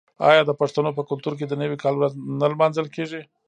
آیا د پښتنو په کلتور کې د نوي کال ورځ نه لمانځل کیږي؟